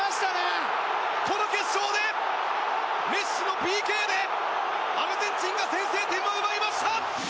この決勝でメッシのＰＫでアルゼンチンが先制点を奪いました！